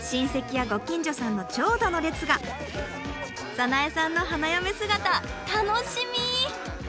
早苗さんの花嫁姿楽しみ！